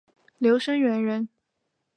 刘声元人。